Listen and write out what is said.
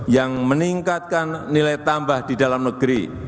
yang meningkatkan nilai tambah di dalam negeri